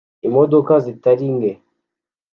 Imodoka zitari nke